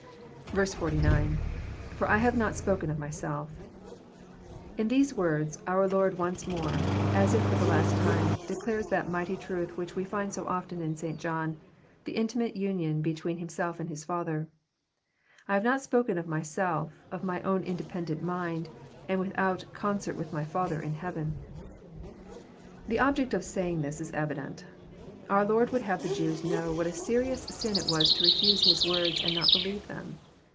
49.— [i?br / have not spoken of myself.'] In these words our Lord once more, as if for the last time, declares that mighty truth which we find so often in St. John,— the intimate union between Himself and His Father. " I have not spoken of myself, of my own independent mind, and without concert with my Father in heaven." The object of saying this is evident. Our Lord would have the Jews know what a serious sin it was to refuse His words, and not believe them.